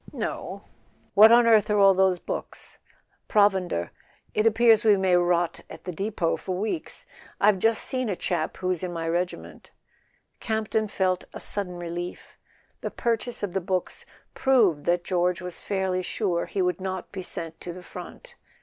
"No " "What on earth are all those books?" "Provender. It appears we may rot at the depot [ 71 ] A SON AT THE FRONT for weeks. I've just seen a chap who's in my regi¬ ment." Campton felt a sudden relief. The purchase of the books proved that George was fairly sure he would not be sent to the front.